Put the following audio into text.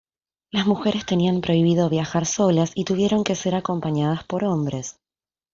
Las mujeres tenían prohibido viajar solas y tuvieron que ser acompañadas por hombres.